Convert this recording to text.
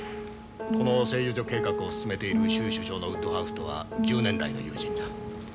この製油所計画を進めている州首相のウッドハウスとは１０年来の友人だ。